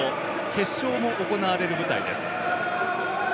決勝も行われる舞台です。